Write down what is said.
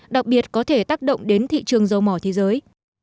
đặc biệt có thể tác động đến thị trường dầu mò thế giới